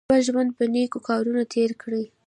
خپل ژوند په نېکو کارونو تېر کړئ.